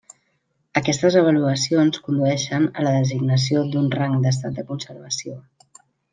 Aquestes avaluacions condueixen a la designació d'un rang d'estat de conservació.